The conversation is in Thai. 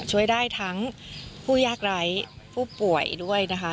ช่วยได้ทั้งผู้ยากไร้ผู้ป่วยด้วยนะคะ